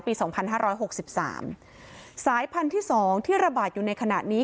สองพันห้าร้อยหกสิบสามสายพันธุ์ที่สองที่ระบาดอยู่ในขณะนี้